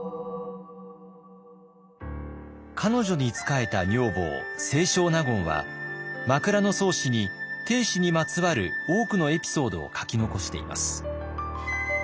彼女に仕えた女房清少納言は「枕草子」に定子にまつわる多くのエピソードを書き残しています。